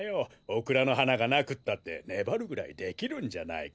オクラのはながなくったってねばるぐらいできるんじゃないか？